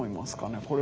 これは。